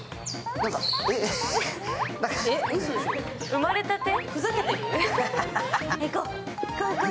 生まれたて？